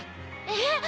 えっ？